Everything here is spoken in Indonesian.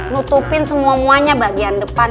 nutupin semuanya bagian depan